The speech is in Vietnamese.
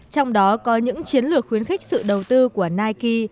trong đó có những chiến lược khuyến khích sự đầu tư của nike